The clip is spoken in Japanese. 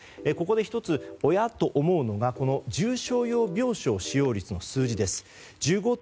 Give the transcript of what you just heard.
ここで１つ、おや？と思うのが重症用病床使用率の数字です。